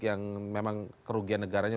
yang memang kerugian negaranya